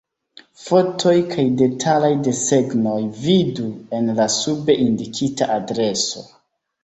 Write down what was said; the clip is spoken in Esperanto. Fotoj kaj detalaj desegnoj vidu en la sube indikita adreso.